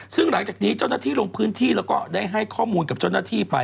ซึ่งหลังจากนี้เจ้าหน้าที่ลงพื้นที่แล้วก็ได้ให้ข้อมูลกับเจ้าหน้าที่ไป